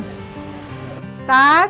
sebentar ya bang